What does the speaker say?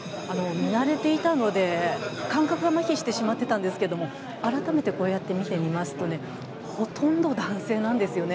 見慣れていたので、感覚がまひしてしまっていたんですけれど、改めてこうやって見てみますとほとんど男性なんですよね。